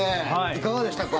いかがでしたか？